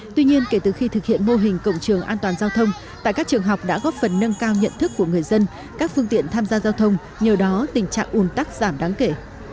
tuy nhiên kể từ khi thực hiện mô hình cổng trường an toàn giao thông tại các trường học đã góp phần nâng cao nhận thức của người dân các phương tiện tham gia giao thông nhờ đó tình trạng ùn tắc giảm đáng kể